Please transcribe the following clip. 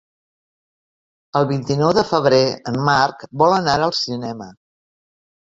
El vint-i-nou de febrer en Marc vol anar al cinema.